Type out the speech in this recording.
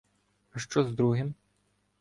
— А що з другим?